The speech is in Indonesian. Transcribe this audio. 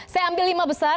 saya ambil lima besar